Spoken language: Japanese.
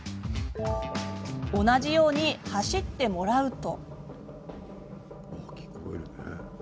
同じように走ってもらうと。